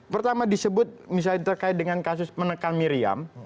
pertama disebut misalnya terkait dengan kasus menekan miriam